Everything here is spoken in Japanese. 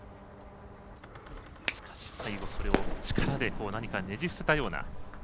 しかし、最後それを力でねじ伏せたような。